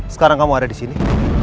sekarang kamu ada disini